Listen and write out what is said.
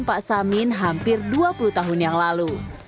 pak samin hampir dua puluh tahun yang lalu